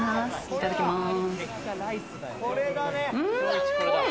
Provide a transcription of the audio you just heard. いただきます。